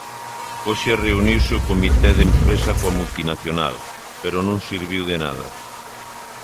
Hoxe reuniuse o comité de empresa coa multinacional, pero non serviu de nada.